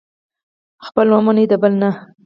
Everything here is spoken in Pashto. خپله ومني، د بل نه.